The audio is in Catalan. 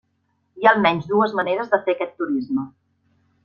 Hi ha almenys dues maneres de fer aquest turisme.